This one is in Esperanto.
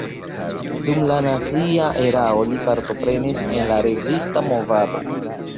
Dum la nazia erao li partoprenis en la rezista movado.